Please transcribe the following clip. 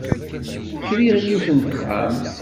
Kriɣ yiwet n texxamt.